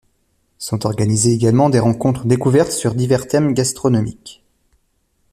Sont organisées également des rencontres découvertes sur divers thèmes gastronomiques.